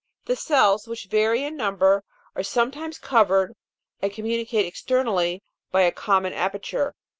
The cells, which vary in number, are sometimes covered and communicate externally by a common aperture.